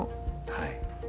はい。